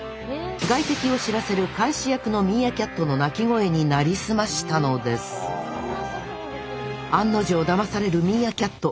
外敵を知らせる監視役のミーアキャットの鳴き声になりすましたのです案の定だまされるミーアキャット。